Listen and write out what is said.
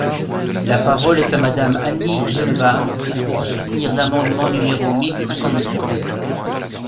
La parole est à Madame Annie Genevard, pour soutenir l’amendement numéro mille cinquante-trois.